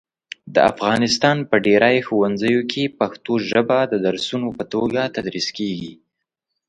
د افغانستان په ډېری ښوونځیو کې پښتو ژبه د درسونو په توګه تدریس کېږي.